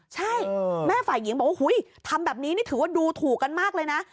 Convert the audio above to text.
ใช่แม่ฝ่ายหญิงบอกว่าทำแบบนี้นี่ถือว่าดูถูกกันมากเลยนะ